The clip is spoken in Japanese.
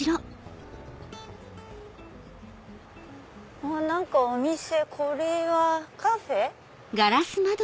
ここは何かお店これはカフェ？